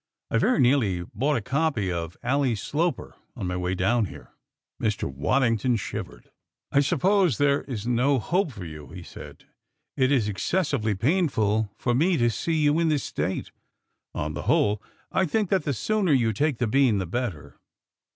"I very nearly bought a copy of Ally Sloper on my way down here." Mr. Waddington shivered. "I suppose there is no hope for you," he said. "It is excessively painful for me to see you in this state. On the whole, I think that the sooner you take the bean, the better."